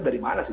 dari mana sih